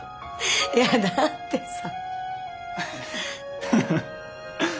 いやだってさ。